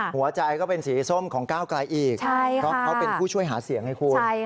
หัวใจก็เป็นสีส้มของก้าวไกลอีกเพราะเขาเป็นผู้ช่วยหาเสียงให้คุณ